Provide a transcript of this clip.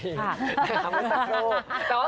น้ำมือสักลวง